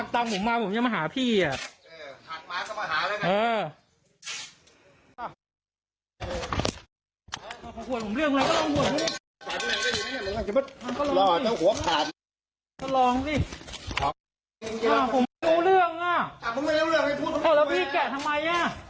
ทำแบบนี้เนี้ยไง่อ่ะ